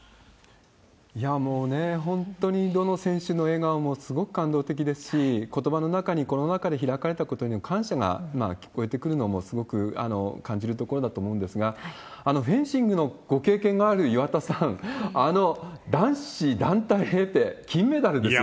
いやー、もうね、本当にどの選手の笑顔もすごく感動的ですし、ことばの中にコロナ禍で開かれたことへの感謝が聞こえてくるのもすごく感じるところだと思うんですが、フェンシングのご経験がある岩田さん、あの男子団体エペ、金メダルですよ。